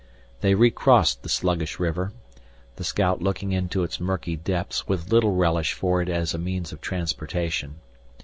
They recrossed the sluggish river, the scout looking into its murky depths with little relish for it as a means of transportation.